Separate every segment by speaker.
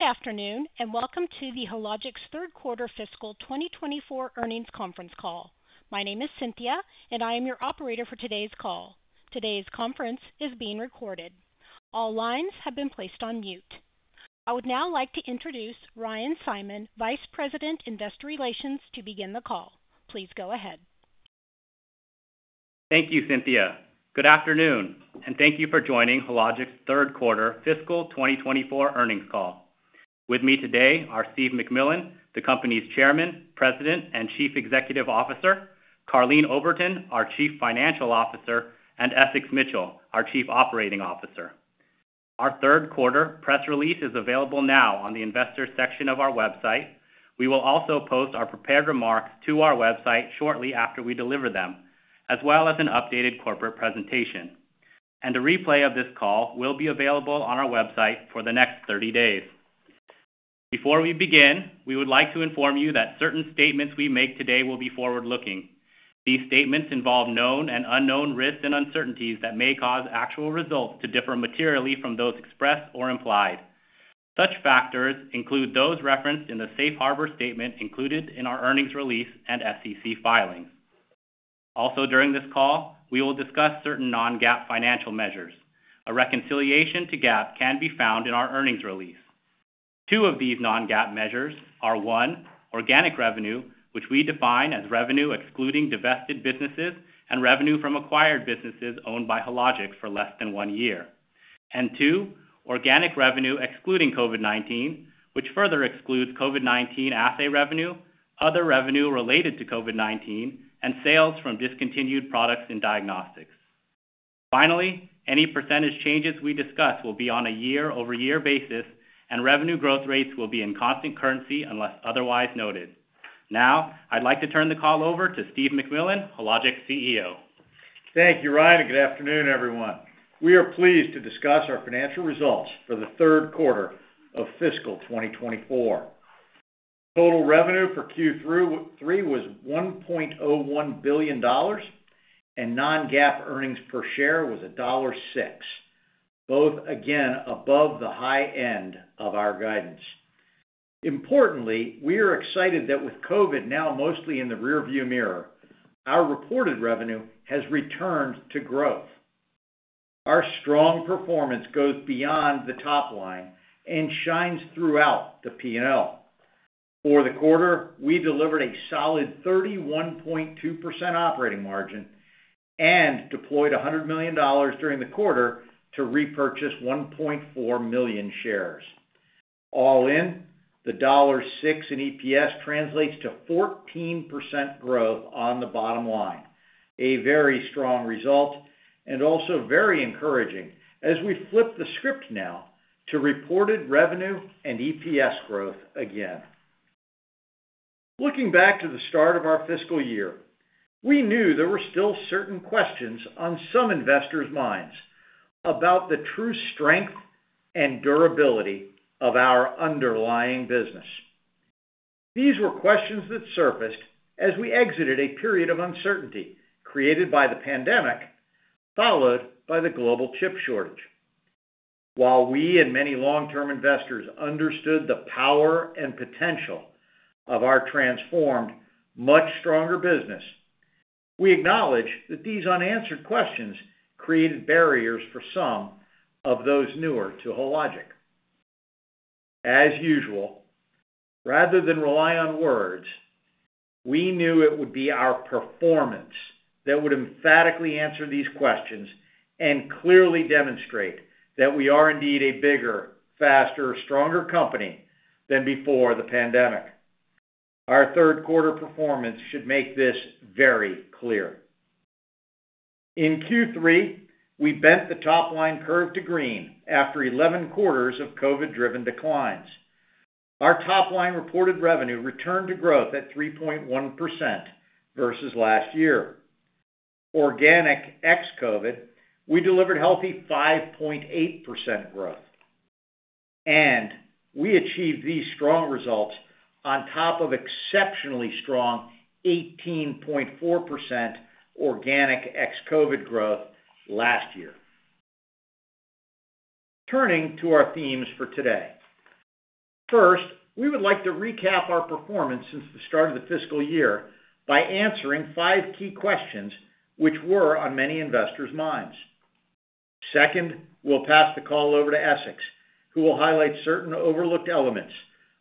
Speaker 1: Good afternoon, and Welcome to Hologic's Third Quarter Fiscal 2024 Earnings Conference Call. My name is Cynthia, and I am your operator for today's call. Today's conference is being recorded. All lines have been placed on mute. I would now like to introduce Ryan Simon, Vice President, Investor Relations, to begin the call. Please go ahead.
Speaker 2: Thank you, Cynthia. Good afternoon, and thank you for joining Hologic's third quarter fiscal 2024 earnings call. With me today are Steve MacMillan, the company's Chairman, President, and Chief Executive Officer, Karleen Oberton, our Chief Financial Officer, and Essex Mitchell, our Chief Operating Officer. Our third quarter press release is available now on the Investors section of our website. We will also post our prepared remarks to our website shortly after we deliver them, as well as an updated corporate presentation. A replay of this call will be available on our website for the next 30 days. Before we begin, we would like to inform you that certain statements we make today will be forward-looking. These statements involve known and unknown risks and uncertainties that may cause actual results to differ materially from those expressed or implied. Such factors include those referenced in the safe harbor statement included in our earnings release and SEC filings. Also, during this call, we will discuss certain Non-GAAP financial measures. A reconciliation to GAAP can be found in our earnings release. Two of these Non-GAAP measures are, one, organic revenue, which we define as revenue excluding divested businesses and revenue from acquired businesses owned by Hologic for less than one year. And two, organic revenue excluding COVID-19, which further excludes COVID-19 assay revenue, other revenue related to COVID-19, and sales from discontinued products in diagnostics. Finally, any percentage changes we discuss will be on a year-over-year basis, and revenue growth rates will be in constant currency unless otherwise noted. Now, I'd like to turn the call over to Steve MacMillan, Hologic's CEO.
Speaker 3: Thank you, Ryan, and good afternoon, everyone. We are pleased to discuss our financial results for the third quarter of fiscal 2024. Total revenue for Q3 was $1.01 billion, and non-GAAP earnings per share was $1.06. Both again, above the high end of our guidance. Importantly, we are excited that with COVID now mostly in the rearview mirror, our reported revenue has returned to growth. Our strong performance goes beyond the top line and shines throughout the P&L. For the quarter, we delivered a solid 31.2% operating margin and deployed $100 million during the quarter to repurchase 1.4 million shares. All in, the $0.06 in EPS translates to 14% growth on the bottom line, a very strong result and also very encouraging as we flip the script now to reported revenue and EPS growth again. Looking back to the start of our fiscal year, we knew there were still certain questions on some investors' minds about the true strength and durability of our underlying business. These were questions that surfaced as we exited a period of uncertainty created by the pandemic, followed by the global chip shortage. While we and many long-term investors understood the power and potential of our transformed, much stronger business, we acknowledge that these unanswered questions created barriers for some of those newer to Hologic. As usual, rather than rely on words, we knew it would be our performance that would emphatically answer these questions and clearly demonstrate that we are indeed a bigger, faster, stronger company than before the pandemic. Our third quarter performance should make this very clear. In Q3, we bent the top-line curve to green after 11 quarters of COVID-driven declines. Our top-line reported revenue returned to growth at 3.1% versus last year. Organic ex-COVID, we delivered healthy 5.8% growth, and we achieved these strong results on top of exceptionally strong 18.4% organic ex-COVID growth last year. Turning to our themes for today. First, we would like to recap our performance since the start of the fiscal year by answering five key questions which were on many investors' minds. Second, we'll pass the call over to Essex, who will highlight certain overlooked elements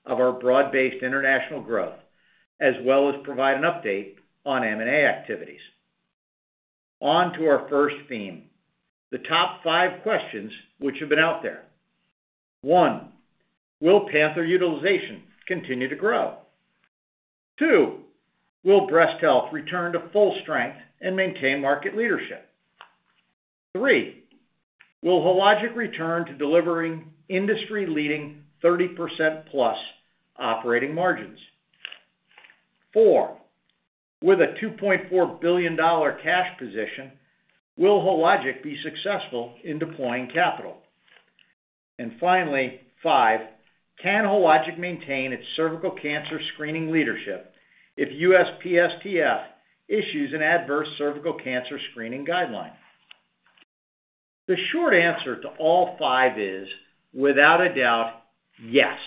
Speaker 3: of our broad-based international growth, as well as provide an update on M&A activities. On to our first theme, the top five questions which have been out there. One, will Panther utilization continue to grow? Two, will breast health return to full strength and maintain market leadership? Three, will Hologic return to delivering industry-leading 30%+ operating margins? Four, with a $2.4 billion cash position, will Hologic be successful in deploying capital? And finally, five, can Hologic maintain its cervical cancer screening leadership if USPSTF issues an adverse cervical cancer screening guideline? The short answer to all five is, without a doubt, yes,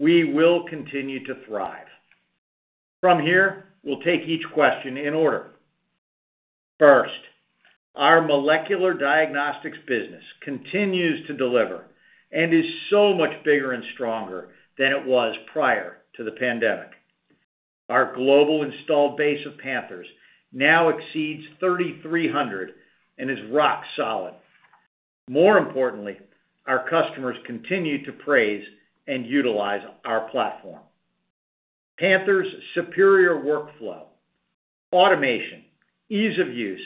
Speaker 3: we will continue to thrive. From here, we'll take each question in order. First, our molecular diagnostics business continues to deliver and is so much bigger and stronger than it was prior to the pandemic. Our global installed base of Panthers now exceeds 3,300 and is rock solid. More importantly, our customers continue to praise and utilize our platform. Panther's superior workflow, automation, ease of use,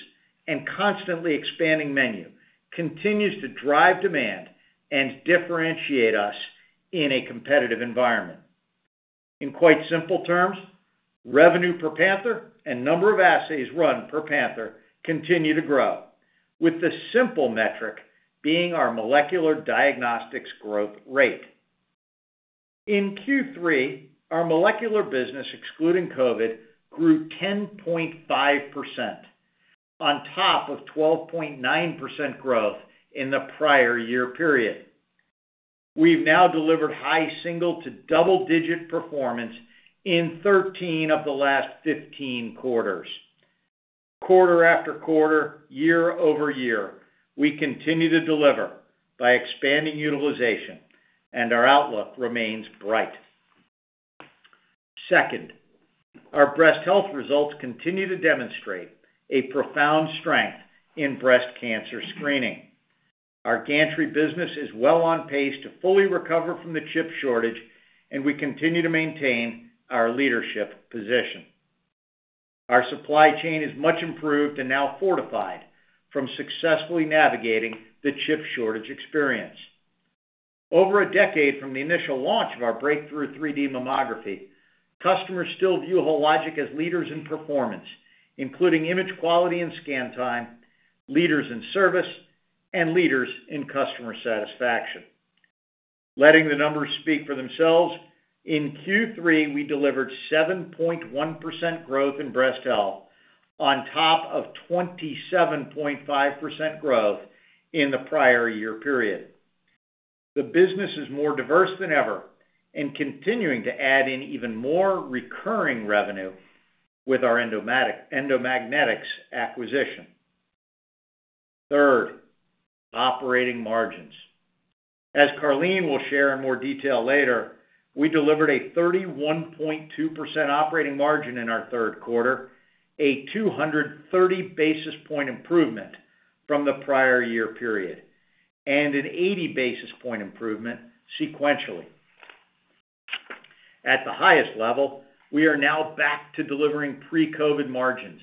Speaker 3: and constantly expanding menu continues to drive demand and differentiate us in a competitive environment. In quite simple terms, revenue per Panther and number of assays run per Panther continue to grow, with the simple metric being our molecular diagnostics growth rate. In Q3, our molecular business, excluding COVID, grew 10.5%, on top of 12.9% growth in the prior year period. We've now delivered high single- to double-digit performance in 13 of the last 15 quarters. Quarter after quarter, year-over-year, we continue to deliver by expanding utilization, and our outlook remains bright. Second, our breast health results continue to demonstrate a profound strength in breast cancer screening. Our gantry business is well on pace to fully recover from the chip shortage, and we continue to maintain our leadership position. Our supply chain is much improved and now fortified from successfully navigating the chip shortage experience. Over a decade from the initial launch of our breakthrough 3D mammography, customers still view Hologic as leaders in performance, including image quality and scan time, leaders in service, and leaders in customer satisfaction. Letting the numbers speak for themselves, in Q3, we delivered 7.1% growth in breast health on top of 27.5% growth in the prior year period. The business is more diverse than ever and continuing to add in even more recurring revenue with our Endomagnetics acquisition. Third, operating margins. As Karleen will share in more detail later, we delivered a 31.2% operating margin in our third quarter, a 230 basis point improvement from the prior year period, and an 80 basis point improvement sequentially. At the highest level, we are now back to delivering pre-COVID margins,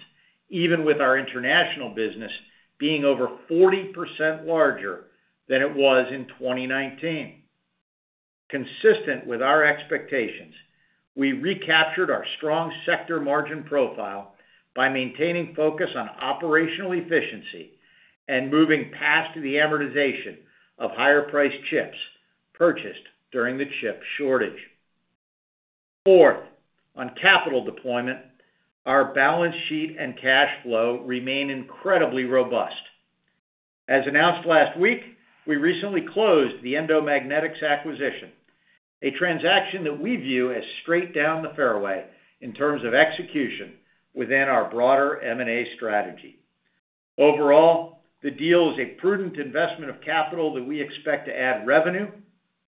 Speaker 3: even with our international business being over 40% larger than it was in 2019. Consistent with our expectations, we recaptured our strong sector margin profile by maintaining focus on operational efficiency and moving past the amortization of higher-priced chips purchased during the chip shortage. Fourth, on capital deployment, our balance sheet and cash flow remain incredibly robust. As announced last week, we recently closed the Endomagnetics acquisition, a transaction that we view as straight down the fairway in terms of execution within our broader M&A strategy. Overall, the deal is a prudent investment of capital that we expect to add revenue,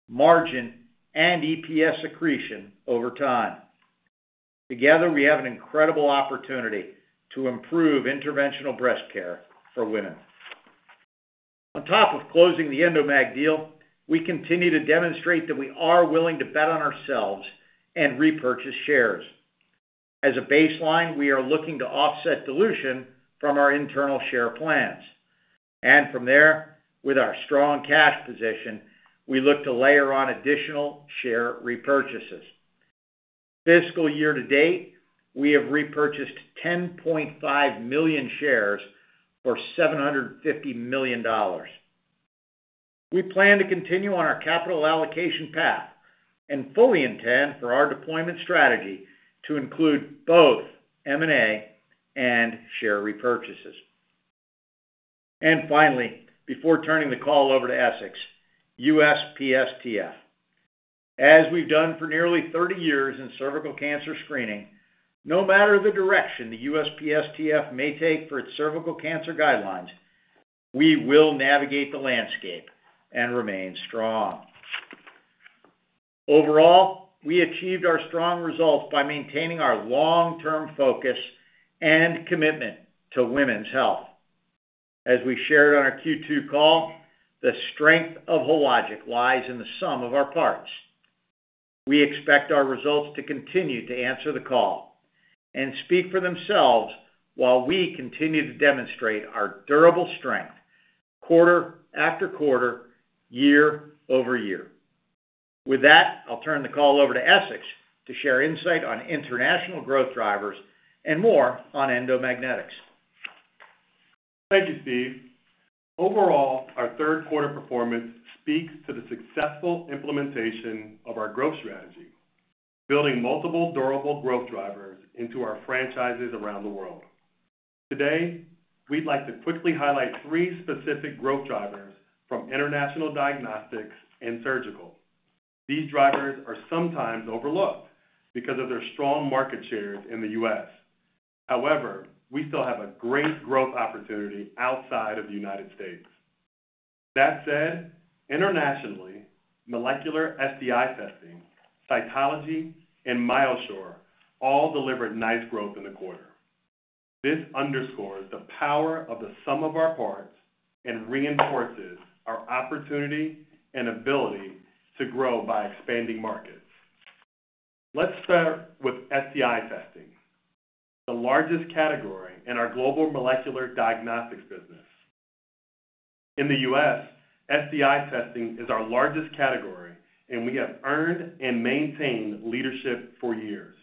Speaker 3: margin, and EPS accretion over time. Together, we have an incredible opportunity to improve interventional breast care for women. On top of closing the Endomag deal, we continue to demonstrate that we are willing to bet on ourselves and repurchase shares. As a baseline, we are looking to offset dilution from our internal share plans. From there, with our strong cash position, we look to layer on additional share repurchases. Fiscal year to date, we have repurchased 10.5 million shares for $750 million. We plan to continue on our capital allocation path and fully intend for our deployment strategy to include both M&A and share repurchases. Finally, before turning the call over to Essex, USPSTF. As we've done for nearly 30 years in cervical cancer screening, no matter the direction the USPSTF may take for its cervical cancer guidelines, we will navigate the landscape and remain strong. Overall, we achieved our strong results by maintaining our long-term focus and commitment to women's health. As we shared on our Q2 call, the strength of Hologic lies in the sum of our parts. We expect our results to continue to answer the call and speak for themselves while we continue to demonstrate our durable strength quarter after quarter, year-over-year. With that, I'll turn the call over to Essex to share insight on international growth drivers and more on Endomagnetics.
Speaker 4: Thank you, Steve. Overall, our third quarter performance speaks to the successful implementation of our growth strategy. Building multiple durable growth drivers into our franchises around the world. Today, we'd like to quickly highlight three specific growth drivers from international diagnostics and surgical. These drivers are sometimes overlooked because of their strong market share in the U.S. However, we still have a great growth opportunity outside of the United States. That said, internationally, molecular STI testing, cytology, and MyoSure all delivered nice growth in the quarter. This underscores the power of the sum of our parts and reinforces our opportunity and ability to grow by expanding markets. Let's start with STI testing, the largest category in our global molecular diagnostics business. In the U.S., STI testing is our largest category, and we have earned and maintained leadership for years.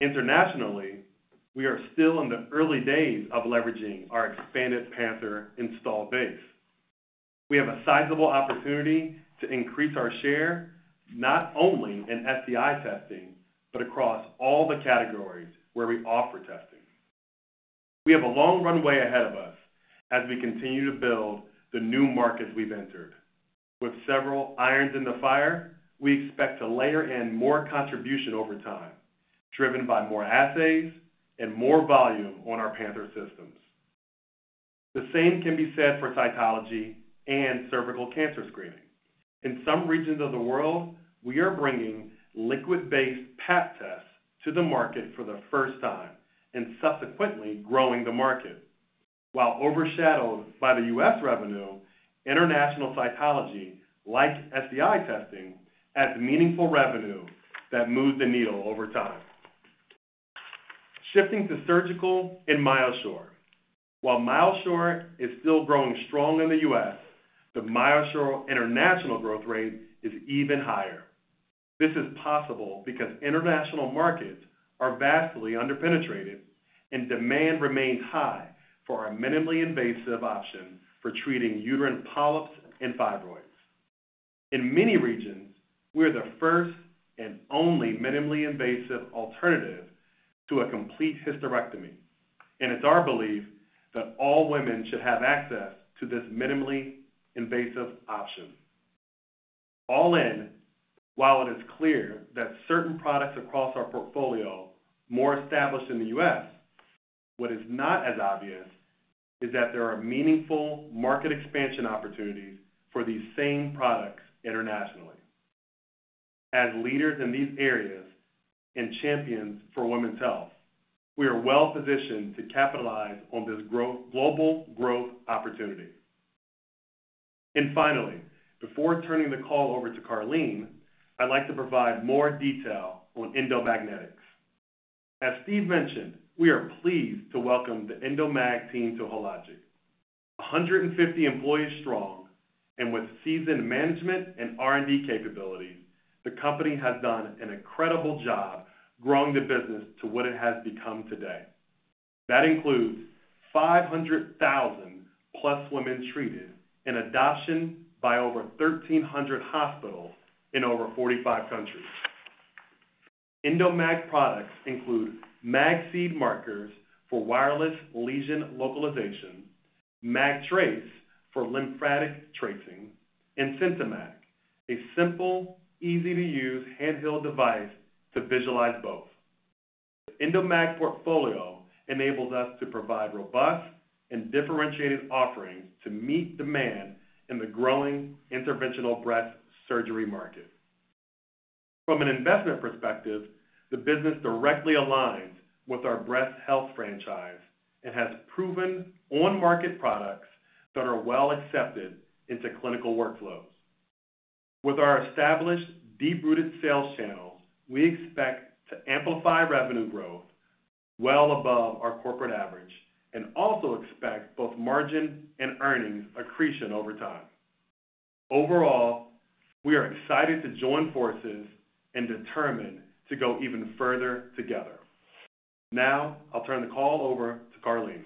Speaker 4: Internationally, we are still in the early days of leveraging our expanded Panther install base. We have a sizable opportunity to increase our share, not only in STI testing, but across all the categories where we offer testing. We have a long runway ahead of us as we continue to build the new markets we've entered. With several irons in the fire, we expect to layer in more contribution over time, driven by more assays and more volume on our Panther systems. The same can be said for cytology and cervical cancer screening. In some regions of the world, we are bringing liquid-based Pap tests to the market for the first time and subsequently growing the market. While overshadowed by the U.S. revenue, international cytology, like STI testing, adds meaningful revenue that moves the needle over time. Shifting to surgical and MyoSure. While MyoSure is still growing strong in the U.S., the MyoSure international growth rate is even higher. This is possible because international markets are vastly underpenetrated and demand remains high for our minimally invasive option for treating uterine polyps and fibroids. In many regions, we are the first and only minimally invasive alternative to a complete hysterectomy, and it's our belief that all women should have access to this minimally invasive option. All in, while it is clear that certain products across our portfolio more established in the U.S., what is not as obvious is that there are meaningful market expansion opportunities for these same products internationally. As leaders in these areas and champions for women's health, we are well positioned to capitalize on this global growth opportunity. And finally, before turning the call over to Karleen, I'd like to provide more detail on Endomag. As Steve mentioned, we are pleased to welcome the Endomag team to Hologic. 150 employees strong and with seasoned management and R&D capabilities, the company has done an incredible job growing the business to what it has become today. That includes 500,000+ women treated and adoption by over 1,300 hospitals in over 45 countries. Endomag products include Magseed markers for wireless lesion localization, Magtrace for lymphatic tracing, and Sentimag, a simple, easy-to-use handheld device to visualize both. Endomag portfolio enables us to provide robust and differentiated offerings to meet demand in the growing interventional breast surgery market. From an investment perspective, the business directly aligns with our breast health franchise and has proven on-market products that are well accepted into clinical workflows. With our established, deep-rooted sales channels, we expect to amplify revenue growth well above our corporate average and also expect both margin and earnings accretion over time. Overall, we are excited to join forces and determine to go even further together. Now, I'll turn the call over to Karleen.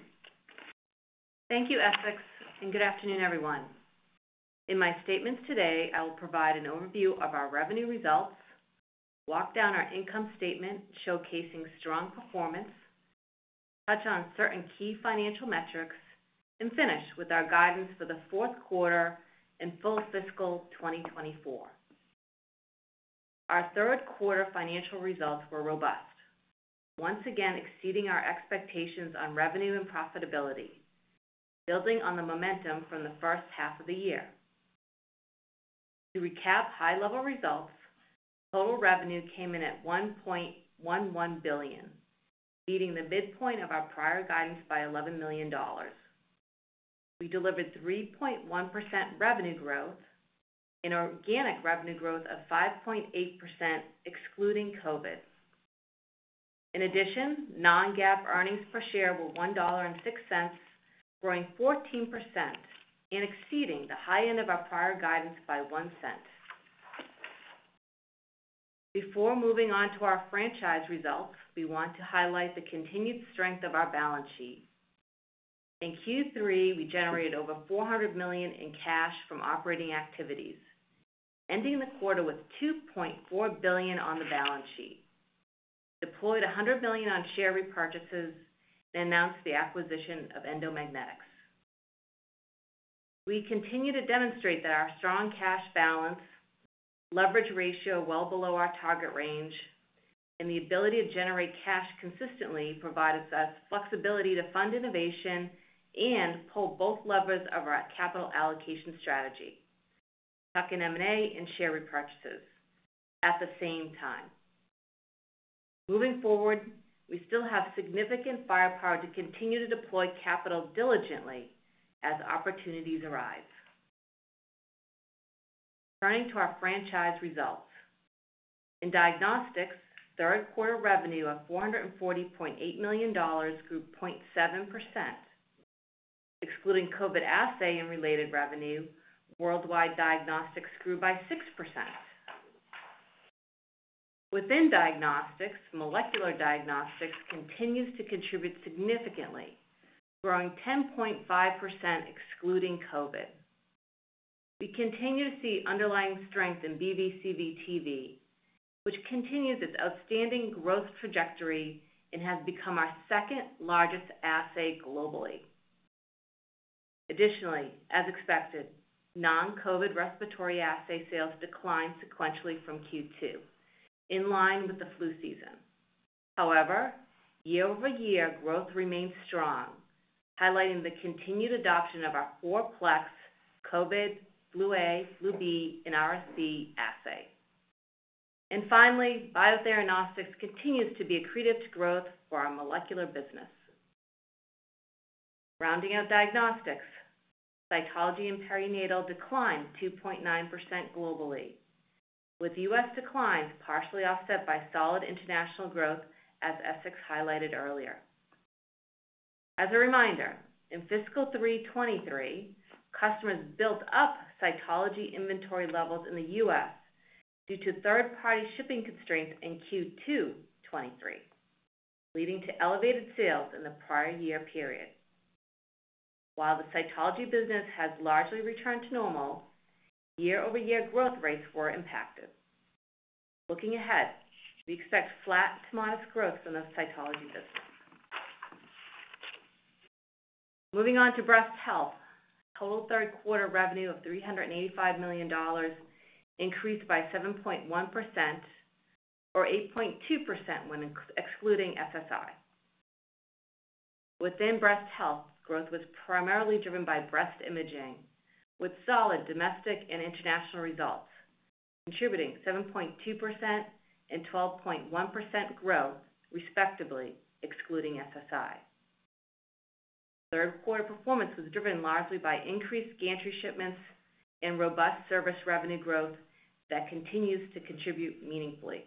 Speaker 5: Thank you, Essex, and good afternoon, everyone. In my statements today, I will provide an overview of our revenue results, walk down our income statement showcasing strong performance, touch on certain key financial metrics, and finish with our guidance for the fourth quarter and full fiscal 2024. Our third quarter financial results were robust, once again exceeding our expectations on revenue and profitability, building on the momentum from the first half of the year. To recap high-level results, total revenue came in at $1.11 billion, beating the midpoint of our prior guidance by $11 million. We delivered 3.1% revenue growth and organic revenue growth of 5.8%, excluding COVID. In addition, non-GAAP earnings per share were $1.06, growing 14% and exceeding the high end of our prior guidance by 1 cent. Before moving on to our franchise results, we want to highlight the continued strength of our balance sheet. In Q3, we generated over $400 million in cash from operating activities, ending the quarter with $2.4 billion on the balance sheet, deployed $100 million on share repurchases, and announced the acquisition of Endomag. We continue to demonstrate that our strong cash balance, leverage ratio well below our target range, and the ability to generate cash consistently provides us flexibility to fund innovation and pull both levers of our capital allocation strategy, tuck-in M&A and share repurchases at the same time. Moving forward, we still have significant firepower to continue to deploy capital diligently as opportunities arise. Turning to our franchise results. In diagnostics, third quarter revenue of $440.8 million grew 0.7%. Excluding COVID assay and related revenue, worldwide diagnostics grew by 6%. Within diagnostics, molecular diagnostics continues to contribute significantly, growing 10.5% excluding COVID. We continue to see underlying strength in BV/CV/TV, which continues its outstanding growth trajectory and has become our second-largest assay globally. Additionally, as expected, non-COVID respiratory assay sales declined sequentially from Q2, in line with the flu season. However, year-over-year growth remains strong, highlighting the continued adoption of our four-plex COVID, Flu A, Flu B, and RSV assay. And finally, Biotheranostics continues to be accretive to growth for our molecular business. Rounding out diagnostics, cytology and perinatal declined 2.9% globally, with US declines partially offset by solid international growth, as Essex highlighted earlier. As a reminder, in fiscal 2023, customers built up cytology inventory levels in the US due to third-party shipping constraints in Q2 2023, leading to elevated sales in the prior year period. While the cytology business has largely returned to normal, year-over-year growth rates were impacted. Looking ahead, we expect flat to modest growth in the cytology business. Moving on to breast health, total third quarter revenue of $385 million increased by 7.1%, or 8.2% when excluding SSI. Within breast health, growth was primarily driven by breast imaging, with solid domestic and international results, contributing 7.2% and 12.1% growth, respectively, excluding SSI. Third quarter performance was driven largely by increased gantry shipments and robust service revenue growth that continues to contribute meaningfully.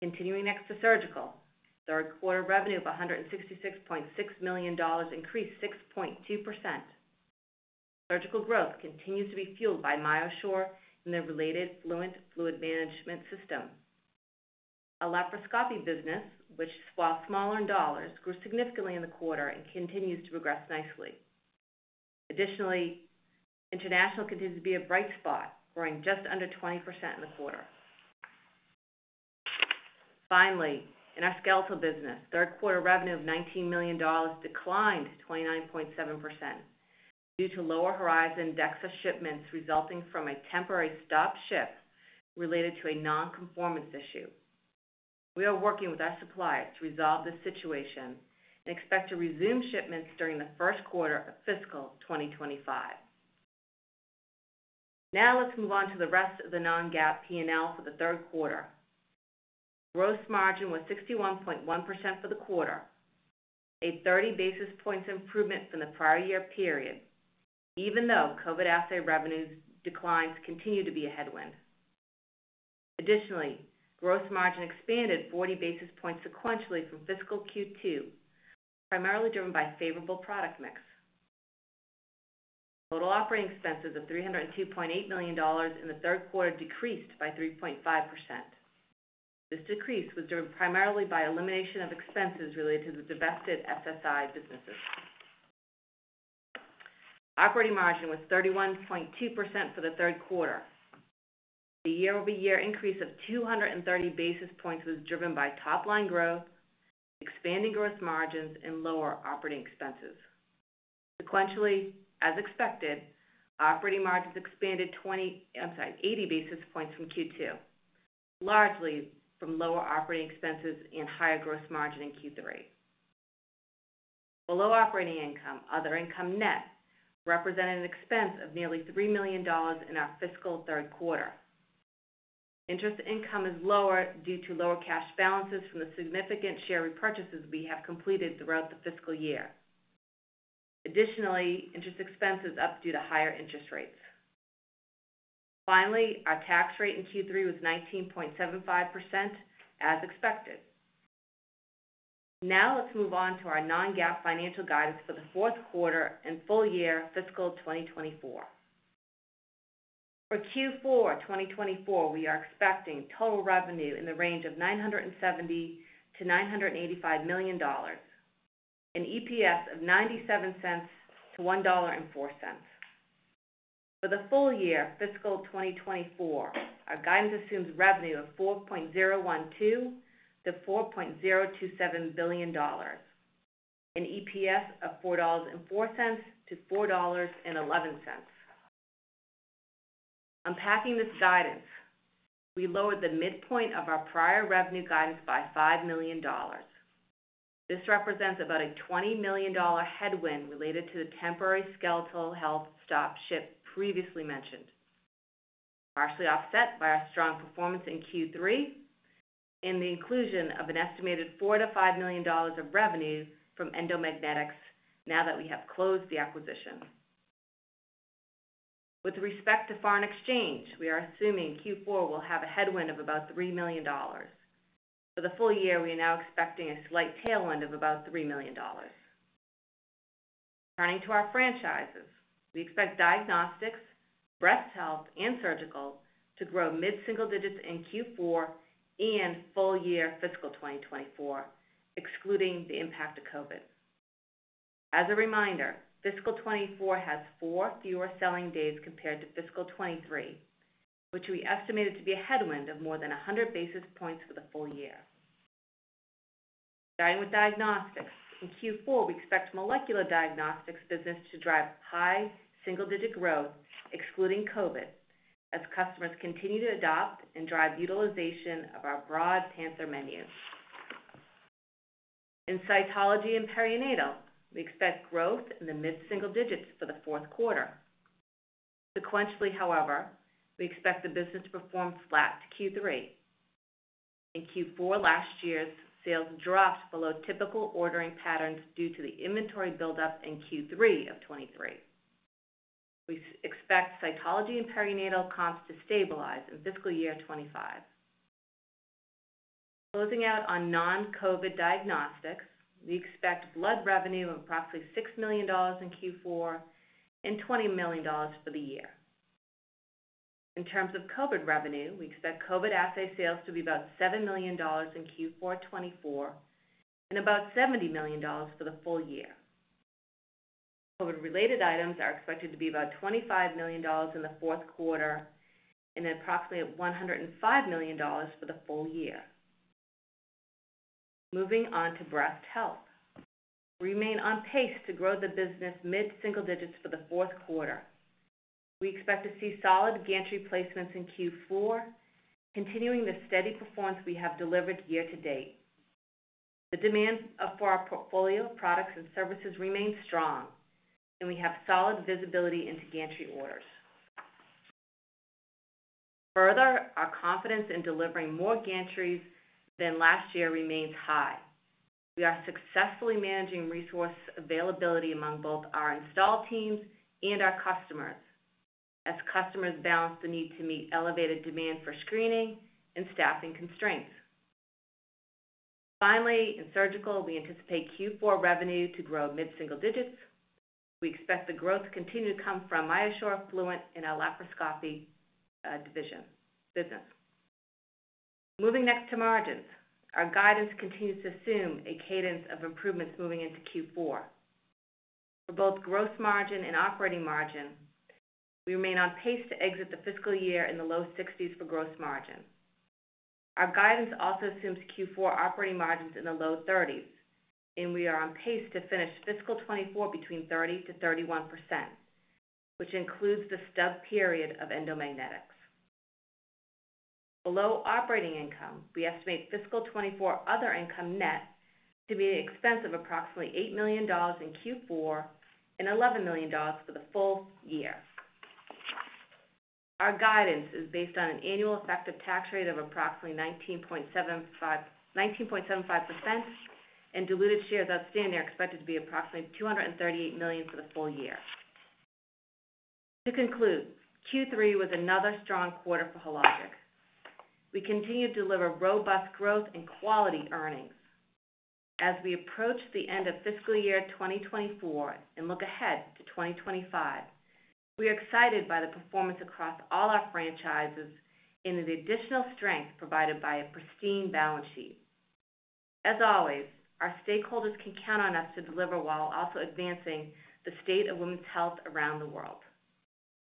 Speaker 5: Continuing next to surgical, third quarter revenue of $166.6 million increased 6.2%. Surgical growth continues to be fueled by MyoSure and the related Fluent Fluid Management System. Our laparoscopy business, which, while small in dollars, grew significantly in the quarter and continues to progress nicely. Additionally, international continues to be a bright spot, growing just under 20% in the quarter. Finally, in our skeletal business, third quarter revenue of $19 million declined to 29.7% due to lower Horizon DEXA shipments, resulting from a temporary stop ship related to a nonconformance issue. We are working with our suppliers to resolve this situation and expect to resume shipments during the first quarter of fiscal 2025. Now, let's move on to the rest of the non-GAAP P&L for the third quarter. Gross margin was 61.1% for the quarter, a 30 basis points improvement from the prior year period, even though COVID assay revenues declines continue to be a headwind. Additionally, gross margin expanded 40 basis points sequentially from fiscal Q2, primarily driven by favorable product mix. Total operating expenses of $302.8 million in the third quarter decreased by 3.5%. This decrease was driven primarily by elimination of expenses related to the divested SSI businesses. Operating margin was 31.2% for the third quarter. The year-over-year increase of 230 basis points was driven by top line growth, expanding gross margins and lower operating expenses. Sequentially, as expected, operating margins expanded 20, I'm sorry, 80 basis points from Q2, largely from lower operating expenses and higher gross margin in Q3. Below operating income, other income net represented an expense of nearly $3 million in our fiscal third quarter. Interest income is lower due to lower cash balances from the significant share repurchases we have completed throughout the fiscal year. Additionally, interest expense is up due to higher interest rates. Finally, our tax rate in Q3 was 19.75%, as expected. Now, let's move on to our non-GAAP financial guidance for the fourth quarter and full year fiscal 2024.... For Q4 2024, we are expecting total revenue in the range of $970 million-$985 million, an EPS of $0.97-$1.04. For the full year, fiscal 2024, our guidance assumes revenue of $4.012 billion-$4.027 billion, an EPS of $4.04-$4.11. Unpacking this guidance, we lowered the midpoint of our prior revenue guidance by $5 million. This represents about a $20 million headwind related to the temporary skeletal health stop ship previously mentioned, partially offset by our strong performance in Q3 and the inclusion of an estimated $4-$5 million of revenue from Endomagnetics now that we have closed the acquisition. With respect to foreign exchange, we are assuming Q4 will have a headwind of about $3 million. For the full year, we are now expecting a slight tailwind of about $3 million. Turning to our franchises, we expect diagnostics, breast health, and surgical to grow mid-single digits in Q4 and full year fiscal 2024, excluding the impact of COVID. As a reminder, fiscal 2024 has 4 fewer selling days compared to fiscal 2023, which we estimated to be a headwind of more than 100 basis points for the full year. Starting with diagnostics, in Q4, we expect molecular diagnostics business to drive high single-digit growth, excluding COVID, as customers continue to adopt and drive utilization of our broad Panther menu. In cytology and perinatal, we expect growth in the mid-single digits for the fourth quarter. Sequentially, however, we expect the business to perform flat to Q3. In Q4 last year, sales dropped below typical ordering patterns due to the inventory buildup in Q3 of 2023. We expect cytology and perinatal comps to stabilize in fiscal year 2025. Closing out on non-COVID diagnostics, we expect blood revenue of approximately $6 million in Q4 and $20 million for the year. In terms of COVID revenue, we expect COVID assay sales to be about $7 million in Q4 2024 and about $70 million for the full year. COVID-related items are expected to be about $25 million in the fourth quarter and approximately $105 million for the full year. Moving on to breast health. We remain on pace to grow the business mid-single digits for the fourth quarter. We expect to see solid gantry placements in Q4, continuing the steady performance we have delivered year-to-date. The demand for our portfolio of products and services remains strong, and we have solid visibility into gantry orders. Further, our confidence in delivering more gantries than last year remains high. We are successfully managing resource availability among both our install teams and our customers, as customers balance the need to meet elevated demand for screening and staffing constraints. Finally, in surgical, we anticipate Q4 revenue to grow mid-single digits. We expect the growth to continue to come from iAssure, Fluent, and our laparoscopy division business. Moving next to margins. Our guidance continues to assume a cadence of improvements moving into Q4. For both gross margin and operating margin, we remain on pace to exit the fiscal year in the low 60s% for gross margin. Our guidance also assumes Q4 operating margins in the low 30s%, and we are on pace to finish fiscal 2024 between 30%-31%, which includes the stub period of Endomag. Below operating income, we estimate fiscal 2024 other income net to be an expense of approximately $8 million in Q4 and $11 million for the full year. Our guidance is based on an annual effective tax rate of approximately 19.75, 19.75%, and diluted shares outstanding are expected to be approximately 238 million for the full year. To conclude, Q3 was another strong quarter for Hologic. We continue to deliver robust growth and quality earnings. As we approach the end of fiscal year 2024 and look ahead to 2025, we are excited by the performance across all our franchises and the additional strength provided by a pristine balance sheet. As always, our stakeholders can count on us to deliver while also advancing the state of women's health around the world.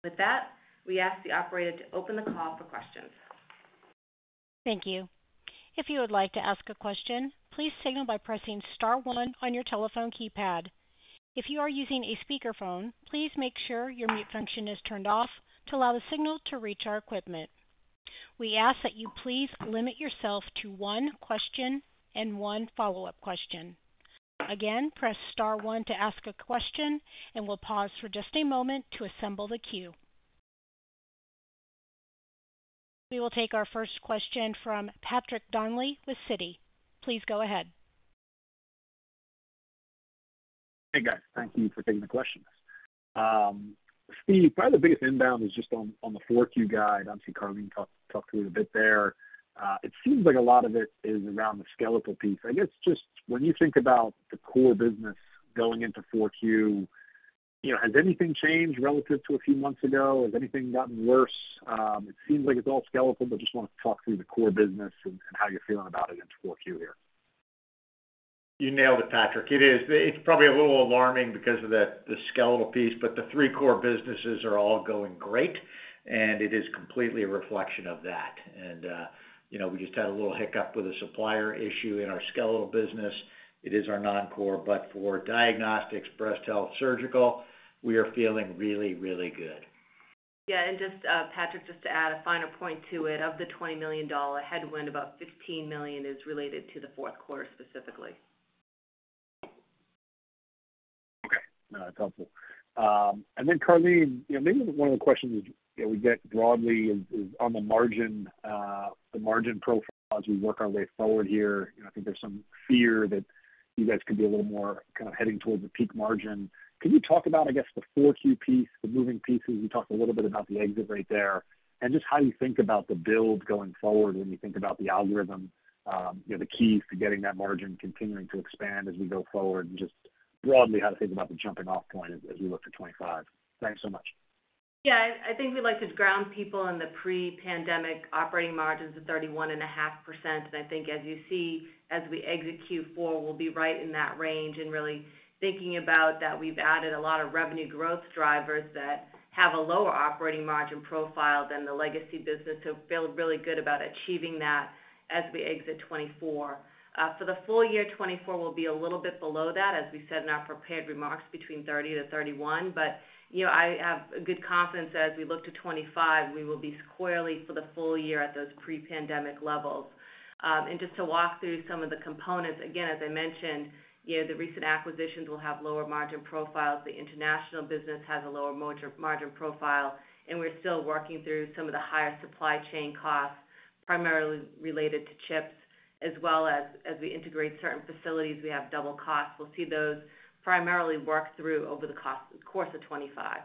Speaker 5: With that, we ask the operator to open the call for questions.
Speaker 1: Thank you. If you would like to ask a question, please signal by pressing star one on your telephone keypad. If you are using a speakerphone, please make sure your mute function is turned off to allow the signal to reach our equipment. We ask that you please limit yourself to one question and one follow-up question. Again, press star one to ask a question, and we'll pause for just a moment to assemble the queue. We will take our first question from Patrick Donnelly with Citi. Please go ahead.
Speaker 6: Hey, guys. Thank you for taking the questions. Steve, probably the biggest inbound is just on the four Q guide. I see Karleen talked through it a bit there. It seems like a lot of it is around the skeletal piece. I guess, just when you think about the core business going into four Q,... You know, has anything changed relative to a few months ago? Has anything gotten worse? It seems like it's all skeletal, but just want to talk through the core business and, and how you're feeling about it into 4Q here.
Speaker 3: You nailed it, Patrick. It is. It's probably a little alarming because of the skeletal piece, but the three core businesses are all going great, and it is completely a reflection of that. And, you know, we just had a little hiccup with a supplier issue in our skeletal business. It is our non-core, but for diagnostics, breast health, surgical, we are feeling really, really good.
Speaker 5: Yeah, and just, Patrick, just to add a finer point to it, of the $20 million headwind, about $15 million is related to the fourth quarter specifically.
Speaker 6: Okay. That's helpful. And then, Karleen, you know, maybe one of the questions that we get broadly is, is on the margin, the margin profile as we work our way forward here. You know, I think there's some fear that you guys could be a little more kind of heading towards the peak margin. Can you talk about, I guess, the 4Q piece, the moving pieces? You talked a little bit about the exit right there, and just how you think about the build going forward when you think about the algorithm, you know, the keys to getting that margin continuing to expand as we go forward, and just broadly, how to think about the jumping-off point as, as we look to 2025. Thanks so much.
Speaker 5: Yeah, I think we like to ground people in the pre-pandemic operating margins of 31.5%. I think as you see, as we exit Q4, we'll be right in that range and really thinking about that we've added a lot of revenue growth drivers that have a lower operating margin profile than the legacy business. So feel really good about achieving that as we exit 2024. For the full year, 2024 will be a little bit below that, as we said in our prepared remarks, between 30%-31%. But, you know, I have good confidence as we look to 2025, we will be squarely for the full year at those pre-pandemic levels. Just to walk through some of the components, again, as I mentioned, you know, the recent acquisitions will have lower margin profiles. The international business has a lower margin, margin profile, and we're still working through some of the higher supply chain costs, primarily related to chips, as well as, as we integrate certain facilities, we have double costs. We'll see those primarily work through over the course of 2025.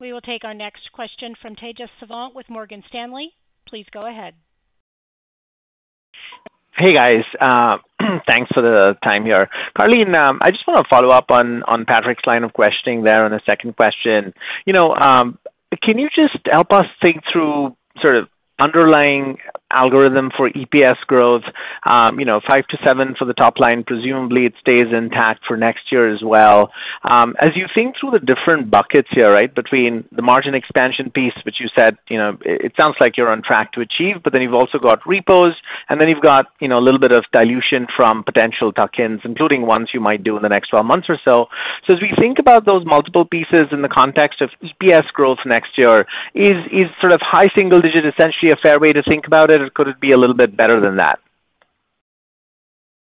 Speaker 1: We will take our next question from Tejas Savant with Morgan Stanley. Please go ahead.
Speaker 7: Hey, guys. Thanks for the time here. Karlene, I just want to follow up on Patrick's line of questioning there on the second question. You know, can you just help us think through sort of underlying algorithm for EPS growth? You know, 5%-7% for the top line, presumably it stays intact for next year as well. As you think through the different buckets here, right, between the margin expansion piece, which you said, you know, it sounds like you're on track to achieve, but then you've also got repos, and then you've got, you know, a little bit of dilution from potential tuck-ins, including ones you might do in the next 12 months or so. As we think about those multiple pieces in the context of EPS growth next year, is sort of high single digits essentially a fair way to think about it, or could it be a little bit better than that?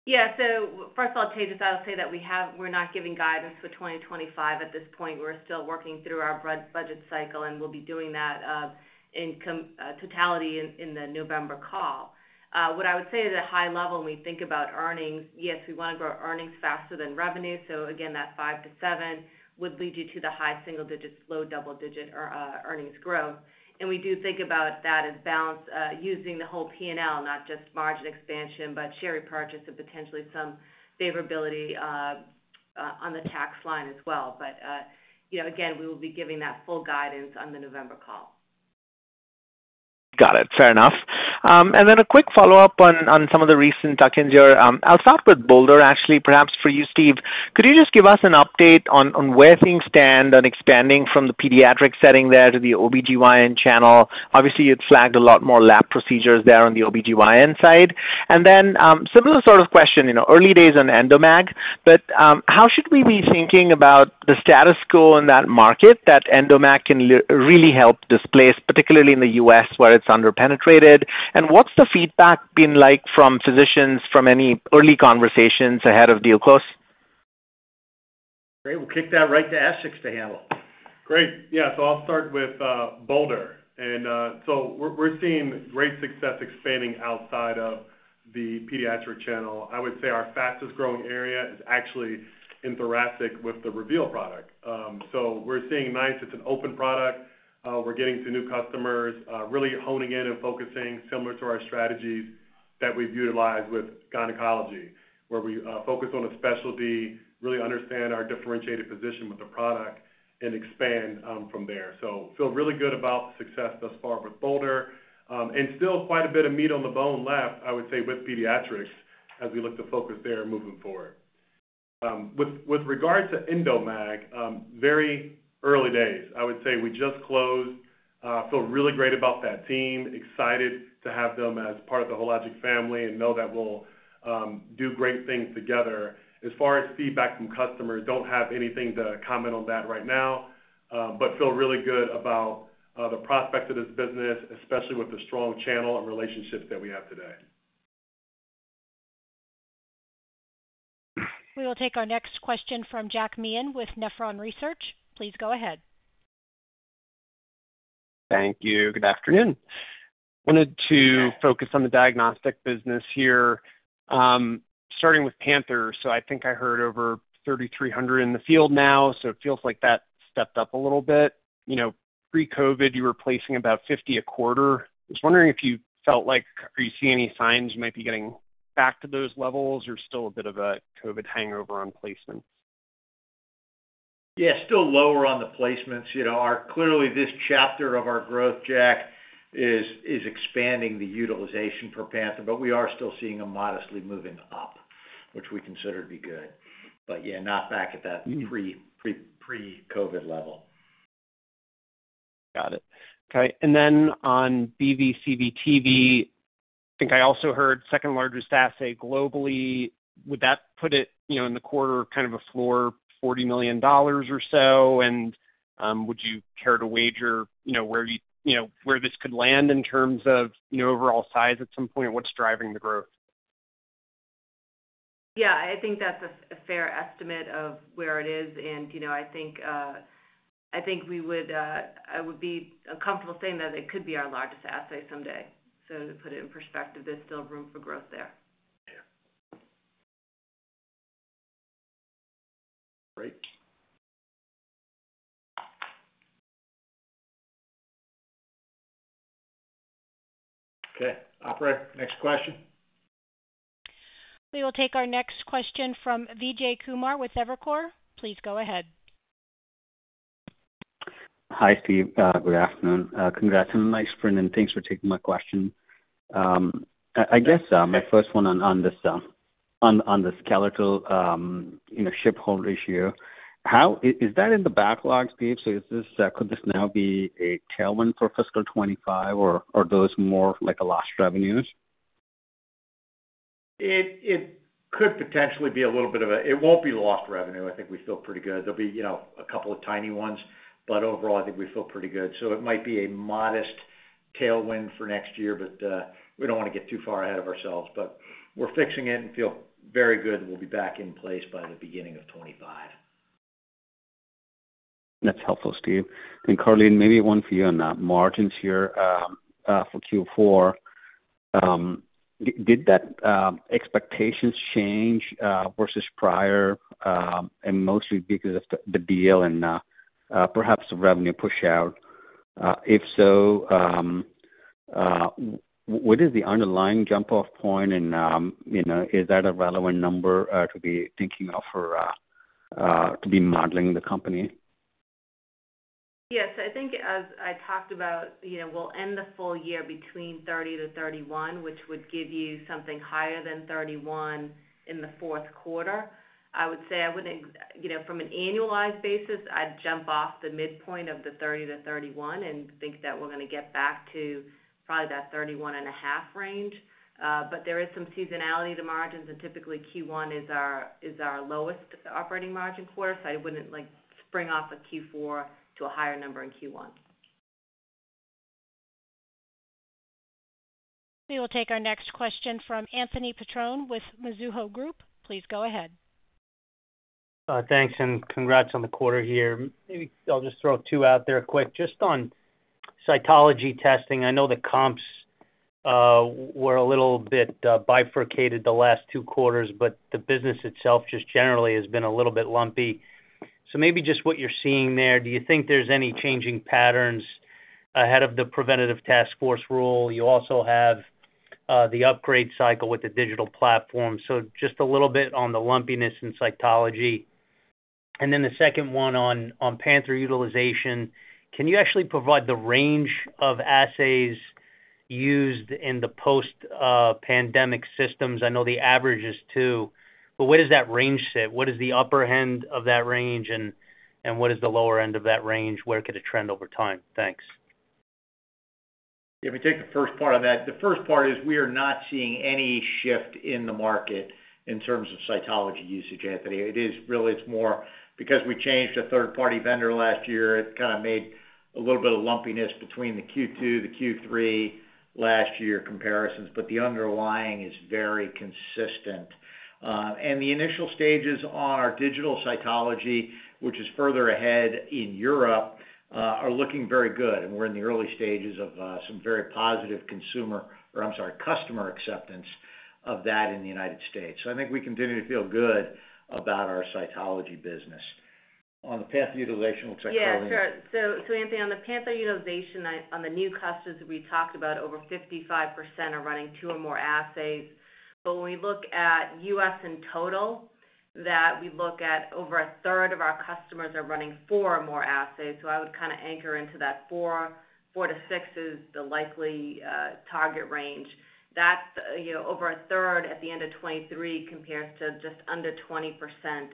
Speaker 5: Yeah. So first of all, Tejas, I'll say that we have—we're not giving guidance for 2025 at this point. We're still working through our budget cycle, and we'll be doing that in totality in the November call. What I would say at a high level, when we think about earnings, yes, we want to grow earnings faster than revenue. So again, that 5-7 would lead you to the high single digits, low double-digit earnings growth. And we do think about that as balance using the whole PNL, not just margin expansion, but share repurchase and potentially some favorability on the tax line as well. But you know, again, we will be giving that full guidance on the November call.
Speaker 7: Got it. Fair enough. And then a quick follow-up on some of the recent tuck-ins here. I'll start with Bolder, actually, perhaps for you, Steve. Could you just give us an update on where things stand on expanding from the pediatric setting there to the OBGYN channel? Obviously, you'd flagged a lot more lab procedures there on the OBGYN side. And then, similar sort of question, you know, early days on Endomag, but how should we be thinking about the status quo in that market that Endomag can really help displace, particularly in the US, where it's underpenetrated? And what's the feedback been like from physicians from any early conversations ahead of deal close?
Speaker 3: Great. We'll kick that right to Essex to handle.
Speaker 4: Great. Yeah, so I'll start with Bolder. And so we're seeing great success expanding outside of the pediatric channel. I would say our fastest growing area is actually in thoracic with the Reveal product. So we're seeing. It's an open product. We're getting to new customers, really honing in and focusing similar to our strategies that we've utilized with gynecology, where we focus on a specialty, really understand our differentiated position with the product, and expand from there. So feel really good about the success thus far with Bolder. And still quite a bit of meat on the bone left, I would say, with pediatrics as we look to focus there moving forward. With regard to Endomag, very early days. I would say we just closed. Feel really great about that team, excited to have them as part of the Hologic family, and know that we'll do great things together. As far as feedback from customers, don't have anything to comment on that right now, but feel really good about the prospect of this business, especially with the strong channel and relationships that we have today.
Speaker 1: We will take our next question from Jack Meehan with Nephron Research. Please go ahead.
Speaker 8: Thank you. Good afternoon. Wanted to focus on the diagnostic business here, starting with Panther. So I think I heard over 3,300 in the field now, so it feels like that stepped up a little bit. You know, pre-COVID, you were placing about 50 a quarter. I was wondering if you felt like, are you seeing any signs you might be getting back to those levels or still a bit of a COVID hangover on placements?...
Speaker 3: Yeah, still lower on the placements. You know, clearly, this chapter of our growth, Jack, is expanding the utilization for Panther, but we are still seeing them modestly moving up, which we consider to be good. But yeah, not back at that pre-COVID level.
Speaker 8: Got it. Okay, and then on BV/CV/TV, I think I also heard second largest assay globally. Would that put it, you know, in the quarter, kind of a floor, $40 million or so? And, would you care to wager, you know, where you know, where this could land in terms of, you know, overall size at some point, and what's driving the growth?
Speaker 5: Yeah, I think that's a fair estimate of where it is. And, you know, I think, I think we would, I would be comfortable saying that it could be our largest assay someday. So to put it in perspective, there's still room for growth there.
Speaker 3: Yeah. Great. Okay, operator, next question.
Speaker 1: We will take our next question from Vijay Kumar with Evercore. Please go ahead.
Speaker 9: Hi, Steve. Good afternoon. Congrats on a nice print, and thanks for taking my question. I guess my first one on the skeletal, you know, ship hold issue. How is that in the backlogs, Steve? So, could this now be a tailwind for fiscal 2025, or are those more like a lost revenues?
Speaker 3: It could potentially be a little bit of a... It won't be lost revenue. I think we feel pretty good. There'll be, you know, a couple of tiny ones, but overall, I think we feel pretty good. So it might be a modest tailwind for next year, but we don't want to get too far ahead of ourselves. But we're fixing it and feel very good we'll be back in place by the beginning of 2025.
Speaker 9: That's helpful, Steve. And Karleen, maybe one for you on the margins here, for Q4. Did that expectations change versus prior, and mostly because of the deal and perhaps the revenue push out? If so, what is the underlying jump-off point and, you know, is that a relevant number to be thinking of for to be modeling the company?
Speaker 5: Yes, I think as I talked about, you know, we'll end the full year between 30-31, which would give you something higher than 31 in the fourth quarter. I would say I wouldn't expect, you know, from an annualized basis, I'd jump off the midpoint of the 30-31 and think that we're going to get back to probably that 31.5 range. But there is some seasonality to margins, and typically, Q1 is our lowest operating margin quarter, so I wouldn't, like, spring off a Q4 to a higher number in Q1.
Speaker 1: We will take our next question from Anthony Petrone with Mizuho Group. Please go ahead.
Speaker 10: Thanks, and congrats on the quarter here. Maybe I'll just throw two out there quick. Just on cytology testing, I know the comps were a little bit bifurcated the last two quarters, but the business itself just generally has been a little bit lumpy. So maybe just what you're seeing there, do you think there's any changing patterns ahead of the preventive Task Force rule? You also have the upgrade cycle with the digital platform. So just a little bit on the lumpiness in cytology. And then the second one on Panther utilization, can you actually provide the range of assays used in the post-pandemic systems? I know the average is two, but where does that range sit? What is the upper end of that range, and what is the lower end of that range? Where could it trend over time? Thanks.
Speaker 3: If we take the first part of that, the first part is we are not seeing any shift in the market in terms of cytology usage, Anthony. It is really, it's more because we changed a third-party vendor last year, it kind of made a little bit of lumpiness between the Q2, the Q3 last year comparisons, but the underlying is very consistent. And the initial stages on our digital cytology, which is further ahead in Europe, are looking very good, and we're in the early stages of, some very positive consumer, or I'm sorry, customer acceptance of that in the United States. So I think we continue to feel good about our cytology business. On the Panther utilization, we'll check with Karleen.
Speaker 5: Yeah, sure. So, Anthony, on the Panther utilization, on the new clusters, we talked about over 55% are running two or more assays. But when we look at U.S. in total, that we look at over a third of our customers are running four or more assays. So I would kind of anchor into that four to six is the likely target range. That's, you know, over a third at the end of 2023, compares to just under 20%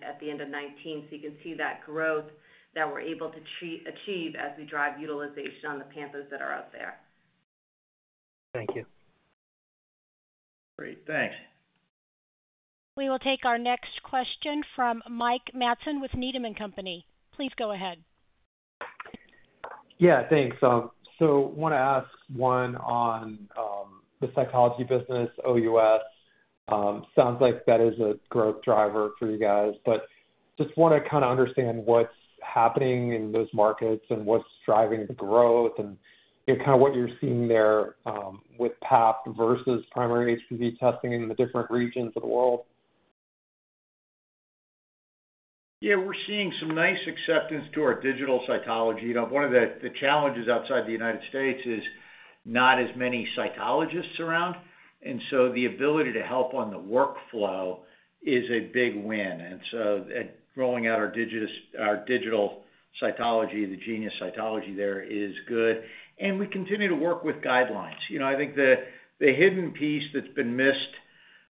Speaker 5: at the end of 2019. So you can see that growth that we're able to achieve as we drive utilization on the Panthers that are out there.
Speaker 10: Thank you.
Speaker 3: Great. Thanks.
Speaker 1: We will take our next question from Mike Matson with Needham & Company. Please go ahead.
Speaker 11: Yeah, thanks. So want to ask one on the cytology business, OUS. Sounds like that is a growth driver for you guys, but just want to kind of understand what's happening in those markets and what's driving the growth, and, you know, kind of what you're seeing there with Pap versus primary HPV testing in the different regions of the world.
Speaker 3: Yeah, we're seeing some nice acceptance to our digital cytology. You know, one of the challenges outside the United States is not as many cytologists around, and so the ability to help on the workflow is a big win, and so rolling out our digital cytology, the Genius cytology there, is good. And we continue to work with guidelines. You know, I think the hidden piece that's been missed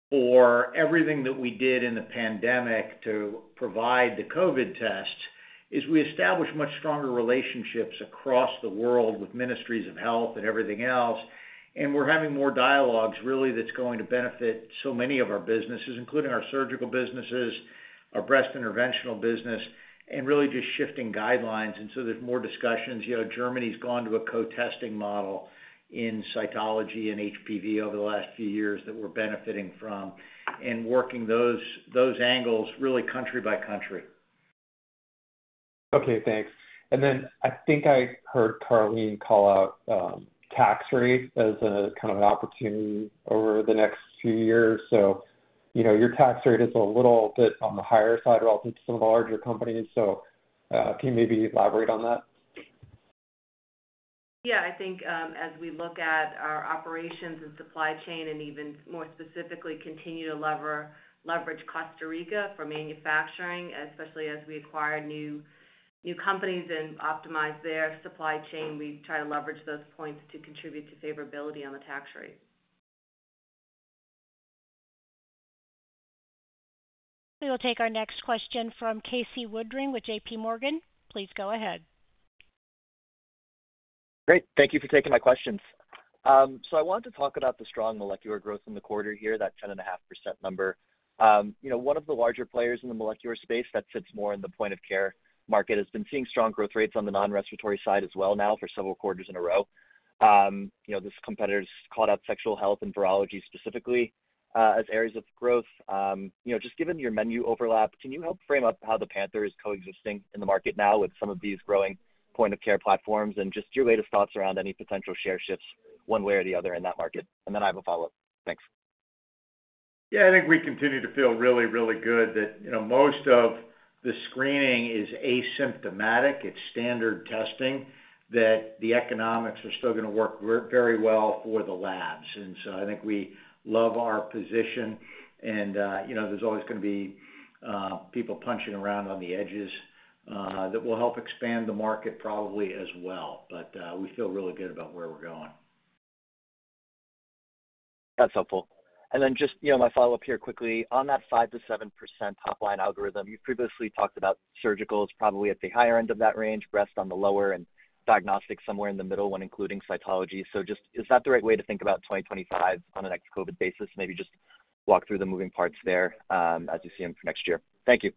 Speaker 3: for everything that we did in the pandemic to provide the COVID tests is we established much stronger relationships across the world with ministries of health and everything else. And we're having more dialogues, really, that's going to benefit so many of our businesses, including our surgical businesses, our breast interventional business, and really just shifting guidelines. And so there's more discussions. You know, Germany's gone to a co-testing model in cytology and HPV over the last few years that we're benefiting from and working those angles really country by country.
Speaker 11: Okay, thanks. Then I think I heard Karleen call out tax rate as a kind of an opportunity over the next few years. So, you know, your tax rate is a little bit on the higher side relative to some of the larger companies. So, can you maybe elaborate on that?
Speaker 5: Yeah, I think, as we look at our operations and supply chain, and even more specifically, continue to leverage Costa Rica for manufacturing, especially as we acquire new companies and optimize their supply chain, we try to leverage those points to contribute to favorability on the tax rate.
Speaker 1: We will take our next question from Casey Woodring with JP Morgan. Please go ahead.
Speaker 12: Great, thank you for taking my questions. So I wanted to talk about the strong molecular growth in the quarter here, that 10.5% number. You know, one of the larger players in the molecular space that sits more in the point of care market, has been seeing strong growth rates on the non-respiratory side as well now for several quarters in a row. You know, this competitor's called out sexual health and virology specifically, as areas of growth. You know, just given your menu overlap, can you help frame up how the Panther is coexisting in the market now with some of these growing point of care platforms, and just your latest thoughts around any potential share shifts one way or the other in that market? And then I have a follow-up. Thanks.
Speaker 3: Yeah, I think we continue to feel really, really good that, you know, most of the screening is asymptomatic, it's standard testing, that the economics are still going to work very well for the labs. And so I think we love our position. And, you know, there's always going to be people punching around on the edges that will help expand the market probably as well. But, we feel really good about where we're going.
Speaker 12: That's helpful. And then just, you know, my follow-up here quickly. On that 5%-7% top line algorithm, you previously talked about surgical is probably at the higher end of that range, breast on the lower, and diagnostic somewhere in the middle when including cytology. So just is that the right way to think about 2025 on an ex COVID basis? Maybe just walk through the moving parts there, as you see them for next year. Thank you.